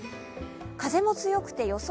風も強くて、予想